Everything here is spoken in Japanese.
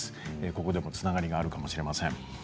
ここでもつながりがあるかもしれません。